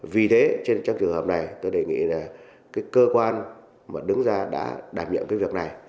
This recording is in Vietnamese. vì thế trong trường hợp này tôi đề nghị cơ quan đứng ra đã đảm nhiệm việc này